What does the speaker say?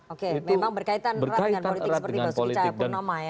oke memang berkaitan erat dengan politik seperti bahwa suwica purnama ya